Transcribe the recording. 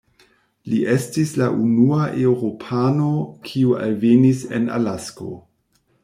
Li estis la unua eŭropano, kiu alvenis en Alasko.